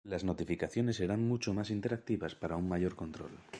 Las notificaciones serán mucho más interactivas para un mayor control.